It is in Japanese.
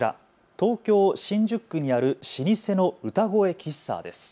東京新宿区にある老舗の歌声喫茶です。